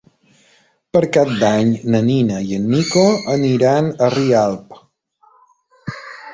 Per Cap d'Any na Nina i en Nico aniran a Rialp.